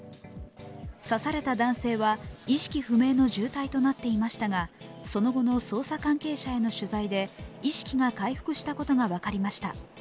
刺された男性は意識不明の重体となっていましたが、その後の捜査関係者への取材で意識が回復したことが分かりました。